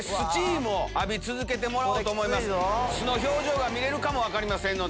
素の表情が見れるかも分かりませんので。